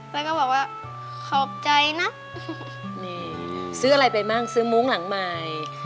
แล้วก็บอกว่าขอบใจนะนี่ซื้ออะไรไปบ้างซื้อมุ้งหลังใหม่